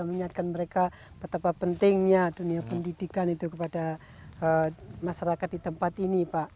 mengingatkan mereka betapa pentingnya dunia pendidikan itu kepada masyarakat di tempat ini pak